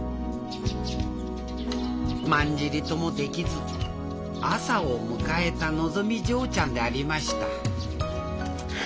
まんじりともできず朝を迎えたのぞみ嬢ちゃんでありました